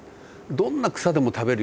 どんな草でも食べるよ